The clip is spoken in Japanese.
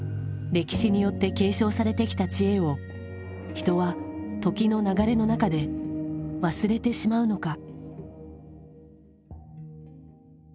歴史によって継承されてきた知恵を人は時の流れの中で忘れてしまうのか？